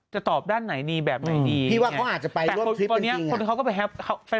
จะตอบด้านไหนดีแบบไหนดี